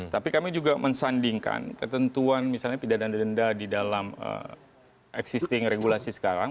tapi kami juga mensandingkan ketentuan misalnya pidana denda di dalam existing regulasi sekarang